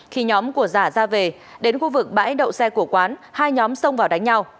khi nhóm của giả ra về đến khu vực bãi đậu xe của quán hai nhóm xông vào đánh nhau